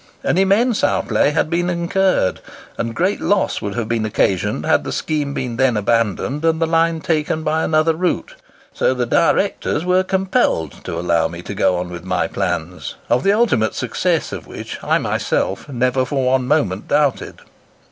An immense outlay had been incurred; and great loss would have been occasioned had the scheme been then abandoned, and the line taken by another route. So the directors were compelled to allow me to go on with my plans, of the ultimate success of which I myself never for one moment doubted."